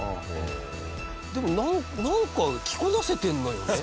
でもなんか着こなせてるのよね。